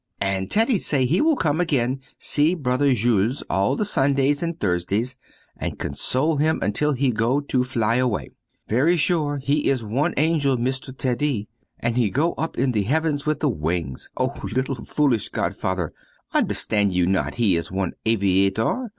And Teddy say he will come again see brother Jules all the Sundays and Thursdays and console him until he go to fly away. Very sure he is one angel, Mr. Teddy! And he go up in the heavens with the wings! Oh little foolish godfather! Understand you not he is one aviator?